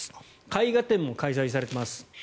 絵画展も開催されています。